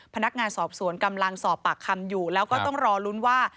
พนักงานสอบสวนกำลังสอบปากคำอยู่แล้วก็ต้องรอลุ้นว่า